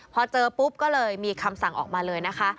พอเจอปุ๊บก็เลยมีคำสั่งออกมาเลยนะคะ